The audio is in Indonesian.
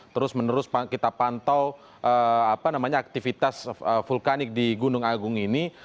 terus menerus kita pantau aktivitas vulkanik di gunung agung ini